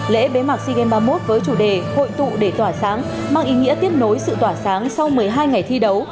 lễ bế mạc sea games ba mươi một với chủ đề hội tụ để tỏa sáng mang ý nghĩa tiếp nối sự tỏa sáng sau một mươi hai ngày thi đấu